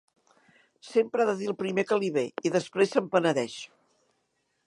Sempre ha de dir el primer que li ve, i després se'n penedeix.